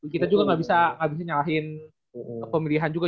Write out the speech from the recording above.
kita juga nggak bisa ngabisin nyalahin pemilihan juga